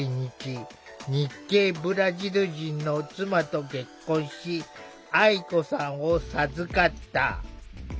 日系ブラジル人の妻と結婚し愛子さんを授かった。